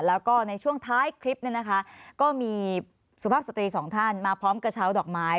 แล้วก็ในช่วงท้ายคลิปเนี่ยนะคะก็มีสุภาพสตรีสองท่านมาพร้อมกระเช้าดอกไม้